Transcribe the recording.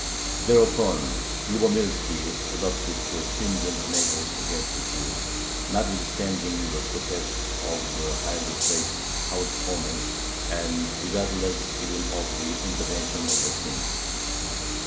Thereupon Lubomirski adopted stringent measures against the Jews, notwithstanding the protests of the highly placed house owners and regardless even of the intervention of the King.